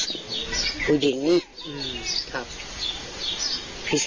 จะตั้งผู้ก่อเดียวจะมาตั้งทักที่หรือ